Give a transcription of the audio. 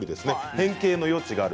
変形の余地がある。